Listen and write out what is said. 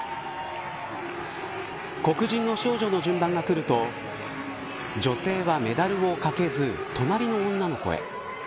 黒人の少女の順番がくると女性はメダルをかけず隣の女の子へ。